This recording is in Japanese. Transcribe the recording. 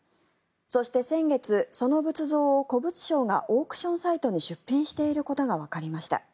そして、先月その仏像を古物商がオークションサイトに出品していることがわかりました。